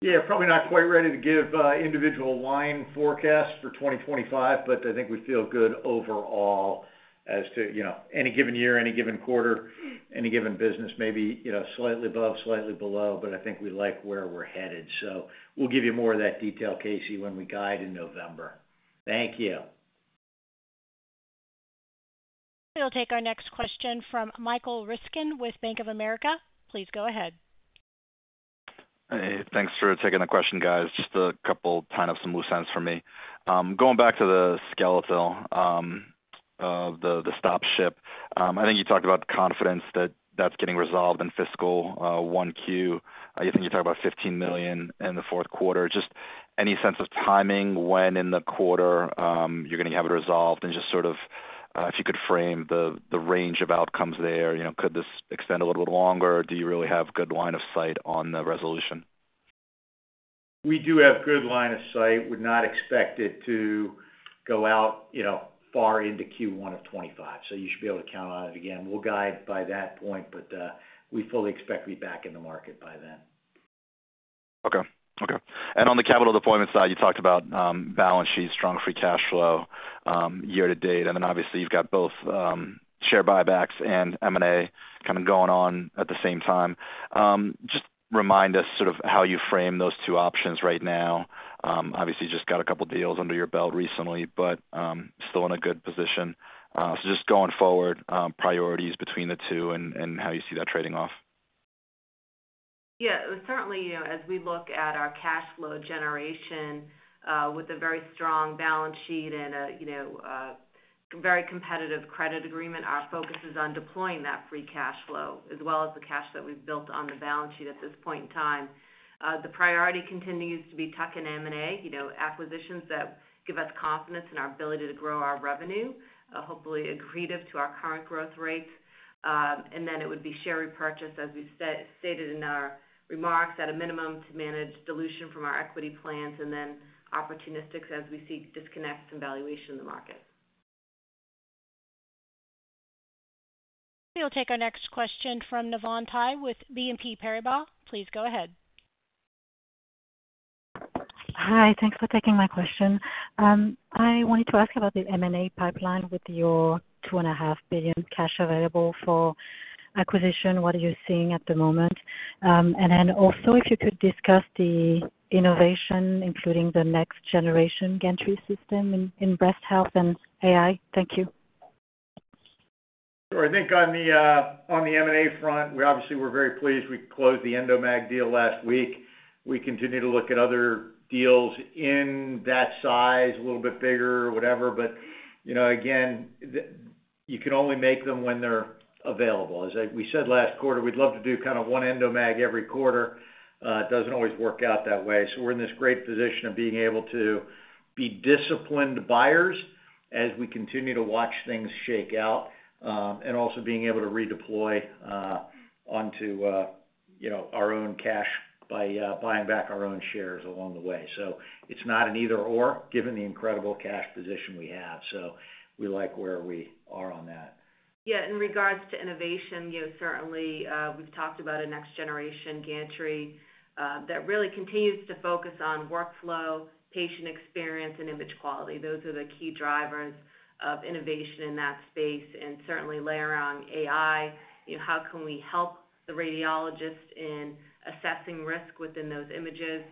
Speaker 3: Yeah, probably not quite ready to give individual line forecasts for 2025, but I think we feel good overall as to, you know, any given year, any given quarter, any given business, maybe, you know, slightly above, slightly below, but I think we like where we're headed. So we'll give you more of that detail, Casey, when we guide in November. Thank you.
Speaker 1: We'll take our next question from Michael Ryskin with Bank of America. Please go ahead.
Speaker 13: Hey, thanks for taking the question, guys. Just a couple kind of some loose ends for me. Going back to the skeletal, the stop ship. I think you talked about confidence that that's getting resolved in fiscal one Q. I think you talked about $15 million in the fourth quarter. Just any sense of timing when in the quarter you're going to have it resolved? And just sort of, if you could frame the range of outcomes there, you know, could this extend a little bit longer? Do you really have good line of sight on the resolution?
Speaker 3: We do have good line of sight. We're not expected to go out, you know, far into Q1 of 2025, so you should be able to count on it. Again, we'll guide by that point, but, we fully expect to be back in the market by then.
Speaker 13: Okay. Okay. On the capital deployment side, you talked about balance sheet, strong free cash flow, year to date. Then obviously, you've got both share buybacks and M&A kind of going on at the same time. Just remind us sort of how you frame those two options right now. Obviously, just got a couple deals under your belt recently, but still in a good position. Just going forward, priorities between the two and how you see that trading off.
Speaker 5: Yeah, certainly, you know, as we look at our cash flow generation, with a very strong balance sheet and a, you know, a very competitive credit agreement, our focus is on deploying that free cash flow, as well as the cash that we've built on the balance sheet at this point in time. The priority continues to be tuck and M&A, you know, acquisitions that give us confidence in our ability to grow our revenue, hopefully accretive to our current growth rates. And then it would be share repurchase, as we stated in our remarks, at a minimum, to manage dilution from our equity plans and then opportunistics as we see disconnects in valuation in the market.
Speaker 1: We'll take our next question from Navann Ty with BNP Paribas. Please go ahead.
Speaker 14: Hi, thanks for taking my question. I wanted to ask about the M&A pipeline with your $2.5 billion cash available for acquisition. What are you seeing at the moment? And then also, if you could discuss the innovation, including the next generation gantry system in breast health and AI. Thank you.
Speaker 3: So I think on the, on the M&A front, we obviously were very pleased. We closed the Endomag deal last week. We continue to look at other deals in that size, a little bit bigger, whatever. But, you know, again, the, you can only make them when they're available. As we said last quarter, we'd love to do kind of one Endomag every quarter. It doesn't always work out that way. So we're in this great position of being able to be disciplined buyers as we continue to watch things shake out, and also being able to redeploy onto, you know, our own cash by buying back our own shares along the way. So it's not an either/or, given the incredible cash position we have. So we like where we are on that.
Speaker 5: Yeah, in regards to innovation, you know, certainly, we've talked about a next generation gantry that really continues to focus on workflow, patient experience, and image quality. Those are the key drivers of innovation in that space, and certainly layer on AI. You know, how can we help the radiologist in assessing risk within those images?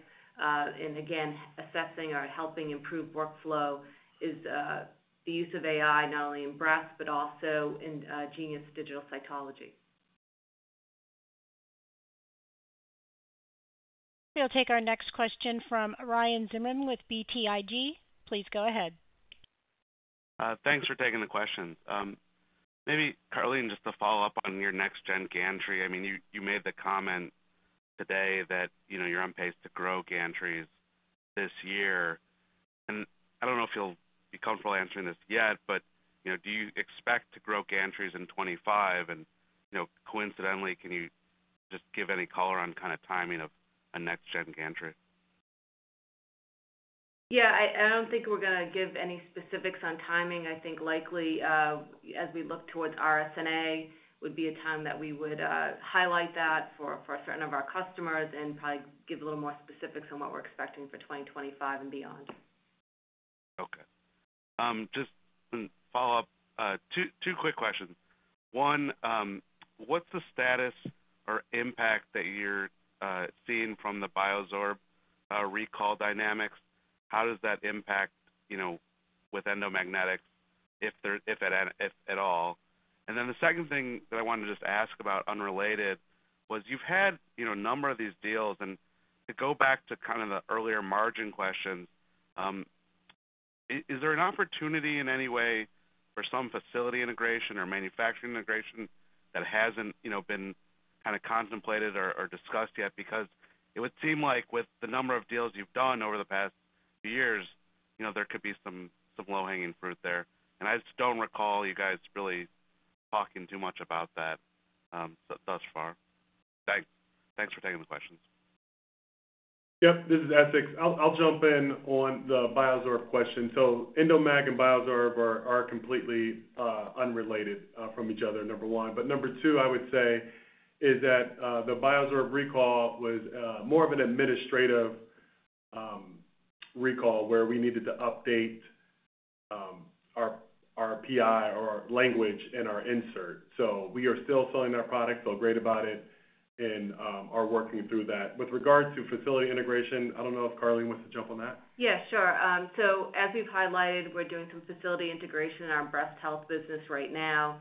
Speaker 5: And again, assessing or helping improve workflow is the use of AI, not only in breast, but also in Genius digital cytology.
Speaker 1: We'll take our next question from Ryan Zimmerman with BTIG. Please go ahead.
Speaker 15: Thanks for taking the questions. Maybe, Karleen, just to follow up on your next gen gantry. I mean, you made the comment today that, you know, you're on pace to grow gantries this year. And I don't know if you'll be comfortable answering this yet, but, you know, do you expect to grow gantries in 25? And, you know, coincidentally, can you just give any color on kind of timing of a next gen gantry?
Speaker 5: Yeah, I don't think we're going to give any specifics on timing. I think likely, as we look towards RSNA, would be a time that we would highlight that for a certain of our customers and probably give a little more specifics on what we're expecting for 2025 and beyond.
Speaker 15: Okay. Just follow up. Two quick questions. One, what's the status or impact that you're seeing from the BioZorb recall dynamics? How does that impact, you know, with Endomag, if at all? And then the second thing that I wanted to just ask about, unrelated, was you've had, you know, a number of these deals. And to go back to kind of the earlier margin question, is there an opportunity in any way for some facility integration or manufacturing integration that hasn't, you know, been kind of contemplated or discussed yet? Because it would seem like with the number of deals you've done over the past years, you know, there could be some low-hanging fruit there. And I just don't recall you guys really talking too much about that, thus far. Thanks, thanks for taking the questions.
Speaker 4: Yep, this is Essex. I'll jump in on the BioZorb question. So Endomag and BioZorb are completely unrelated from each other, number one. But number two, I would say, is that the BioZorb recall was more of an administrative recall, where we needed to update our PI or our language in our insert. So we are still selling our product, feel great about it, and are working through that. With regard to facility integration, I don't know if Karlene wants to jump on that.
Speaker 5: Yeah, sure. So as we've highlighted, we're doing some facility integration in our breast health business right now.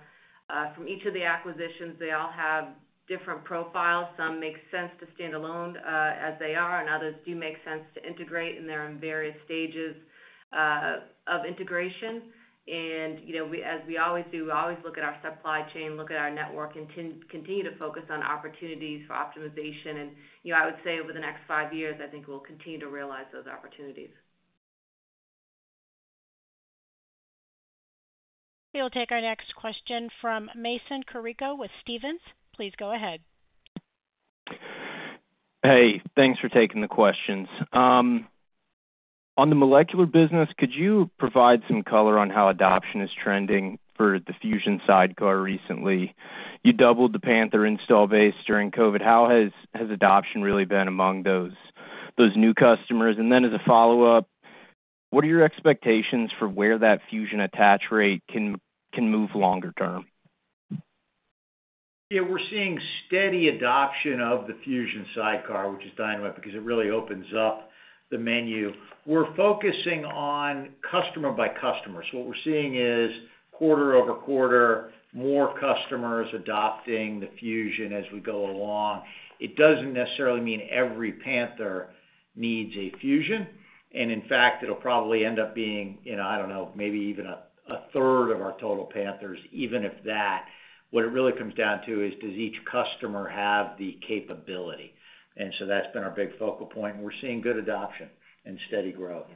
Speaker 5: From each of the acquisitions, they all have different profiles. Some make sense to stand alone, as they are, and others do make sense to integrate, and they're in various stages of integration. And, you know, we, as we always do, we always look at our supply chain, look at our network, and continue to focus on opportunities for optimization. And, you know, I would say over the next five years, I think we'll continue to realize those opportunities.
Speaker 1: We'll take our next question from Mason Carrico with Stephens. Please go ahead.
Speaker 16: Hey, thanks for taking the questions. On the molecular business, could you provide some color on how adoption is trending for the Fusion sidecar recently? You doubled the Panther install base during COVID. How has adoption really been among those new customers? And then as a follow-up, what are your expectations for where that Fusion attach rate can move longer term?
Speaker 3: Yeah, we're seeing steady adoption of the Fusion sidecar, which is dynamite, because it really opens up the menu. We're focusing on customer by customer. So what we're seeing is, quarter-over-quarter, more customers adopting the Fusion as we go along. It doesn't necessarily mean every Panther needs a Fusion. And in fact, it'll probably end up being, you know, I don't know, maybe even a, a third of our total Panthers, even if that. What it really comes down to is, does each customer have the capability? And so that's been our big focal point, and we're seeing good adoption and steady growth.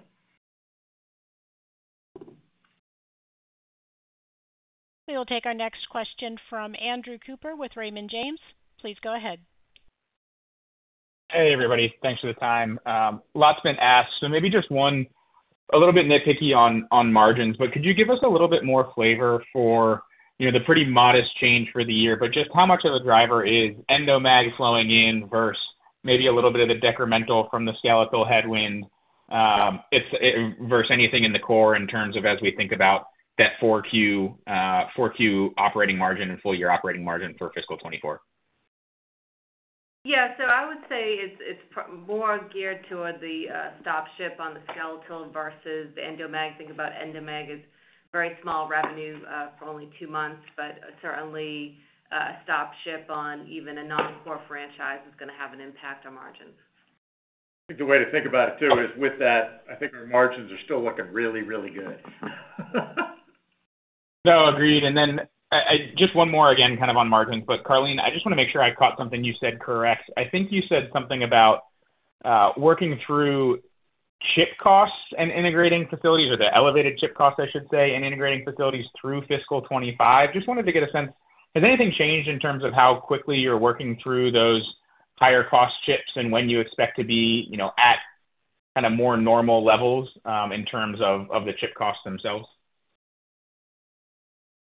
Speaker 1: We'll take our next question from Andrew Cooper with Raymond James. Please go ahead.
Speaker 17: Hey, everybody. Thanks for the time. A lot's been asked, so maybe just one, a little bit nitpicky on, on margins, but could you give us a little bit more flavor for, you know, the pretty modest change for the year, but just how much of a driver is Endomag flowing in versus maybe a little bit of a decremental from the skeletal headwind, if versus anything in the core in terms of as we think about that 4Q, 4Q operating margin and full-year operating margin for fiscal 2024?
Speaker 5: Yeah. So I would say it's more geared toward the stop ship on the Skeletal versus Endomag. Think about Endomag is very small revenue for only two months, but certainly a stop ship on even a non-core franchise is going to have an impact on margins....
Speaker 3: I think the way to think about it, too, is with that, I think our margins are still looking really, really good.
Speaker 17: No, agreed. And then, just one more again, kind of on margins, but Karleen, I just want to make sure I caught something you said correct. I think you said something about, working through chip costs and integrating facilities, or the elevated chip costs, I should say, and integrating facilities through fiscal 25. Just wanted to get a sense, has anything changed in terms of how quickly you're working through those higher cost chips and when you expect to be, you know, at kind of more normal levels, in terms of, of the chip costs themselves?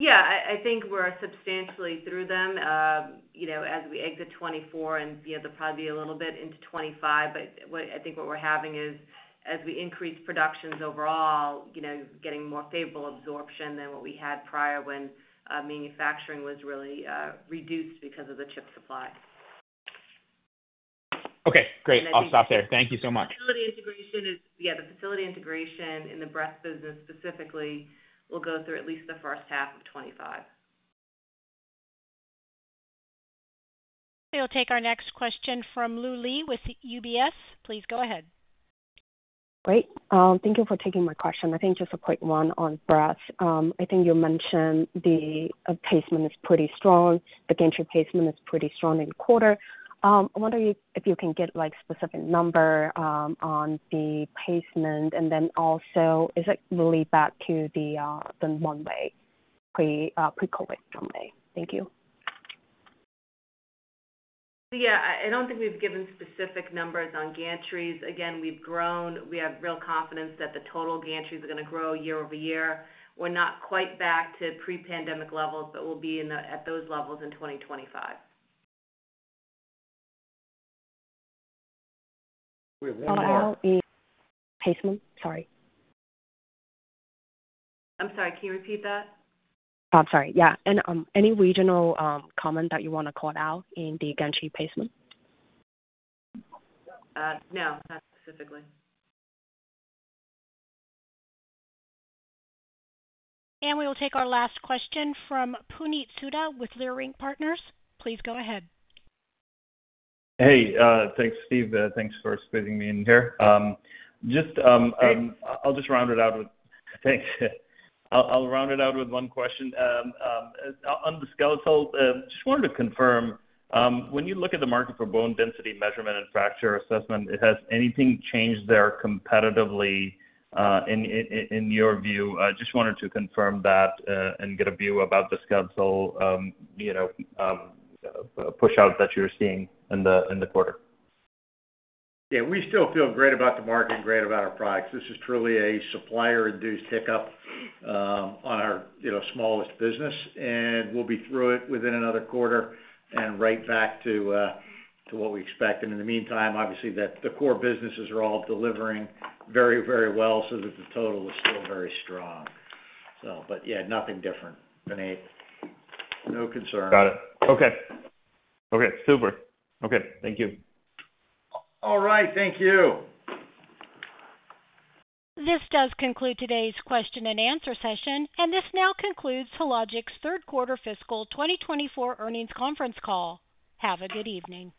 Speaker 5: Yeah, I think we're substantially through them. You know, as we exit 2024 and, you know, there'll probably be a little bit into 2025, but I think what we're having is, as we increase productions overall, you know, getting more favorable absorption than what we had prior when manufacturing was really reduced because of the chip supply.
Speaker 17: Okay, great. I'll stop there. Thank you so much.
Speaker 5: Yeah, the facility integration in the breast business specifically will go through at least the first half of 2025.
Speaker 1: We'll take our next question from Lu Li with UBS. Please go ahead.
Speaker 18: Great. Thank you for taking my question. I think just a quick one on breast. I think you mentioned the, placement is pretty strong, the gantry placement is pretty strong in the quarter. I wonder you, if you can get, like, specific number, on the placement, and then also, is it really back to the, the one way, pre, pre-COVID way? Thank you.
Speaker 5: Yeah. I don't think we've given specific numbers on gantries. Again, we've grown. We have real confidence that the total gantries are going to grow year-over-year. We're not quite back to pre-pandemic levels, but we'll be in the, at those levels in 2025.
Speaker 18: In placement? Sorry.
Speaker 5: I'm sorry, can you repeat that?
Speaker 18: I'm sorry, yeah. And, any regional comment that you want to call out in the gantry placement?
Speaker 5: No, not specifically.
Speaker 1: We will take our last question from Puneet Souda, with Leerink Partners. Please go ahead.
Speaker 18: Hey, thanks, Steve. Thanks for squeezing me in here. Just, I'll just round it out with one question. On the skeletal, just wanted to confirm, when you look at the market for bone density measurement and fracture assessment, has anything changed there competitively, in your view? I just wanted to confirm that, and get a view about the skeletal, you know, pushout that you're seeing in the quarter.
Speaker 3: Yeah, we still feel great about the market and great about our products. This is truly a supplier-induced hiccup on our, you know, smallest business, and we'll be through it within another quarter and right back to what we expect. And in the meantime, obviously, that the core businesses are all delivering very, very well so that the total is still very strong. So, but yeah, nothing different, Puneet. No concern.
Speaker 18: Got it. Okay. Okay, super. Okay, thank you.
Speaker 3: All right, thank you!
Speaker 1: This does conclude today's question and answer session, and this now concludes Hologic's third quarter fiscal 2024 earnings conference call. Have a good evening.